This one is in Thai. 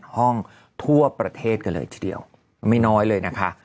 ห้องทั่วประเทศกันเลยทีเดียวไม่น้อยเลยนะคะ